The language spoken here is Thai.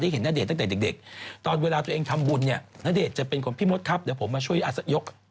เห็นณเดชน์ตั้งแต่เด็กตอนเวลาตัวเองทำบุญเนี่ยณเดชน์จะเป็นคนพี่มดครับเดี๋ยวผมมาช่วยยก